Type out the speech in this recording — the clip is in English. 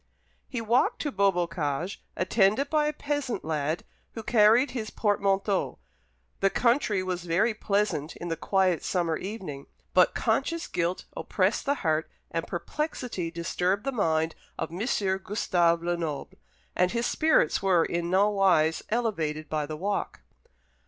He walked to Beaubocage, attended by a peasant lad, who carried his portmanteau. The country was very pleasant in the quiet summer evening, but conscious guilt oppressed the heart and perplexity disturbed the mind of M. Gustave Lenoble, and his spirits were in nowise elevated by the walk.